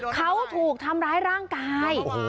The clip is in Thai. เขาถูกทำร้ายร่างกาย